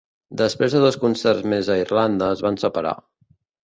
Després de dos concerts més a Irlanda, es van separar.